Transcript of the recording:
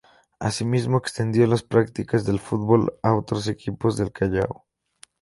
Asímismo, extendió las prácticas de fútbol a otros equipos del Callao.